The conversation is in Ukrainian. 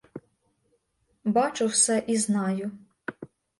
Бачу все і знаю.